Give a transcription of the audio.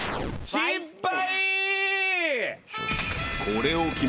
失敗！